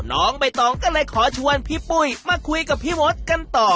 น้องใบตองก็เลยขอชวนพี่ปุ้ยมาคุยกับพี่มดกันต่อ